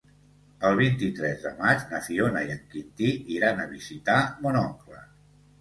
El vint-i-tres de maig na Fiona i en Quintí iran a visitar mon oncle.